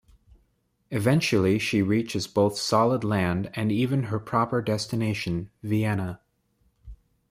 Eventually she reaches both solid land and even her proper destination, Vienna.